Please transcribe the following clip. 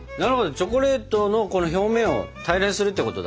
チョコレートの表面を平らにするってことだ。